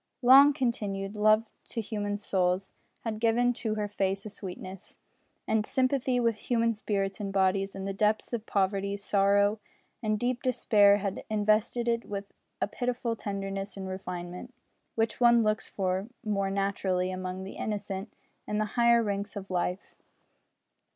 Long continued love to human souls had given to her face a sweetness and sympathy with human spirits and bodies in the depths of poverty, sorrow, and deep despair had invested it with a pitiful tenderness and refinement which one looks for more naturally among the innocent in the higher ranks of life.